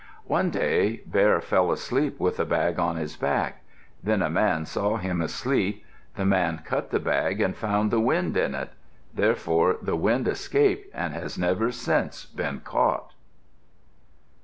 One day Bear fell asleep with the bag on his back. Then a man saw him asleep. The man cut the bag and found the wind in it. Therefore the wind escaped and has never since been caught.